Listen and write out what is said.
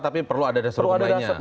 tapi perlu ada dasar hukum lainnya